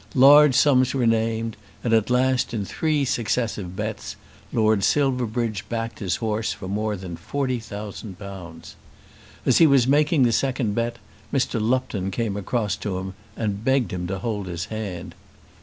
Large sums were named, and at last in three successive bets Lord Silverbridge backed his horse for more than forty thousand pounds. As he was making the second bet Mr. Lupton came across to him and begged him to hold his hand.